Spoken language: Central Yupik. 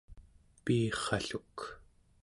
piirralluk